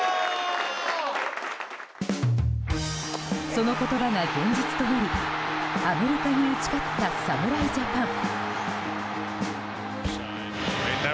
その言葉が現実となりアメリカに打ち勝った侍ジャパン。